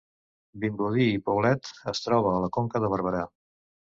Vimbodí i Poblet es troba a la Conca de Barberà